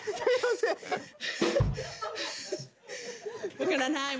分からないわ。